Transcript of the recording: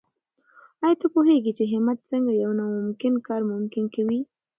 آیا ته پوهېږې چې همت څنګه یو ناممکن کار ممکن کوي؟